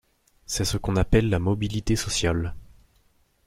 C'est ce qu'on appelle la mobilité sociale.